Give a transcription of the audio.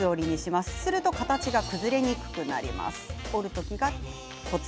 すると、形が崩れにくくなります。